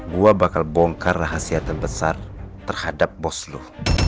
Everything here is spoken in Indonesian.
tidak ada rahasia terbesar terhadap bos lo